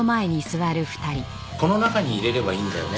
この中に入れればいいんだよね？